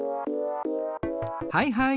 はいはい！